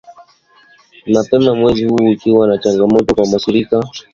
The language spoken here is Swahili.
mapema mwezi huu ikiwa ni changamoto kwa Waziri Mkuu wa muda Abdulhamid Dbeibah